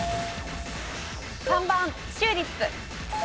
３番チューリップ。